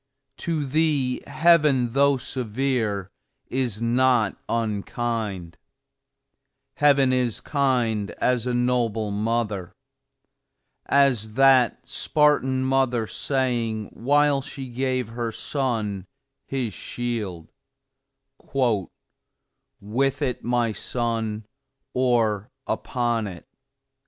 To thee Heaven, though severe, is not unkind; Heaven is kind as a noble mother; as that Spartan mother, saying, while she gave her son his shield, "With it, my son, or upon it!"